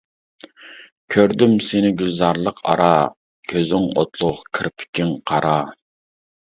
كۆردۈم سېنى گۈلزارلىق ئارا، كۆزۈڭ ئوتلۇق، كىرپىكىڭ قارا.